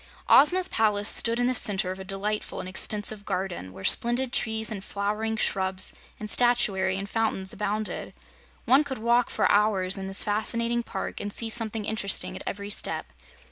Ozma's palace stood in the center of a delightful and extensive garden, where splendid trees and flowering shrubs and statuary and fountains abounded. One could walk for hours in this fascinating park and see something interesting at every step.